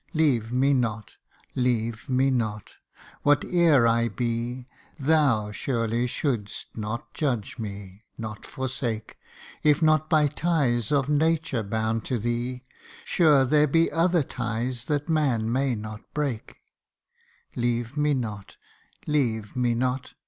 Leave me not ! leave me not ! whate'er I be, Thou surely shouldst not judge me, nor forsake ; If not by ties of nature bound to thee, Sure there are other ties man may not break. 64 THE UNDYING ONE. Leave me not ! leave me not